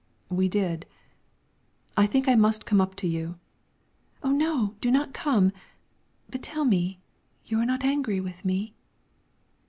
"We did. I think I must come up to you!" "Oh, no! do not come! But tell me: you are not angry with me?"